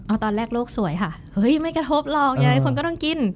เอาตอนแรกโลกสวยค่ะเฮ้ยไม่กระทบหรอกยังไงคนก็ต้องกิน